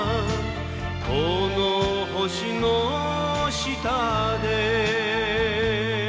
「この星の下で」